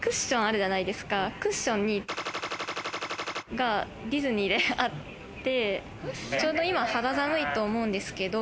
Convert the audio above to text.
クッションにがディズニーであって、ちょうど今、肌寒いと思うんですけど、